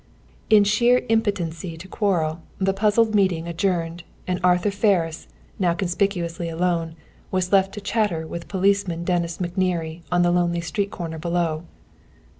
In sheer impotency to quarrel, the puzzled meeting adjourned, and Arthur Ferris, now conspicuously alone, was left to chatter with Policeman Dennis McNerney on the lonely street corner below.